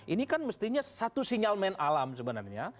ini kan mestinya satu sinyal main alam sebenarnya